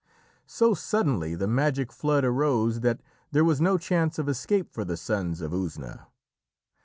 So suddenly the magic flood arose that there was no chance of escape for the Sons of Usna.